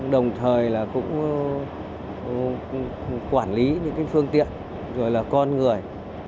đồng thời là cũng quản lý những phương tiện rồi là con người